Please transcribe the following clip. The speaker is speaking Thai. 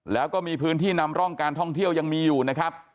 แล้วก็มีพื้นที่นำร่องการท่องเที่ยวยังมีอยู่นะครับ